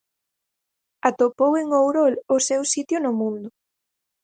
Atopou en Ourol o seu sitio no mundo.